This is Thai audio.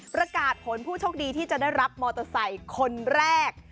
ประกาศผลผู้โชคดีที่จะได้รับมอเตอร์ไซค์คนแรก